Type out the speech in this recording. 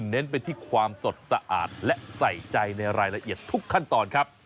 เน้นไปที่ความสดสะอาดและใส่ใจในรายละเอียดทุกขั้นตอนครับ